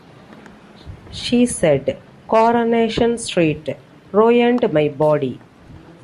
She said "Coronation Street" ruined my body.